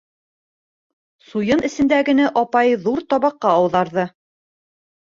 Суйын эсендәгене апай ҙур табаҡҡа ауҙарҙы.